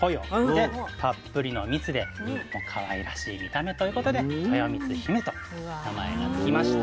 でたっぷりの「蜜」でかわいらしい見た目ということで「とよみつひめ」と名前が付きました。